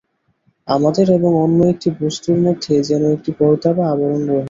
আমাদের এবং অন্য একটি বস্তুর মধ্যে যেন একটি পর্দা বা আবরণ রহিয়াছে।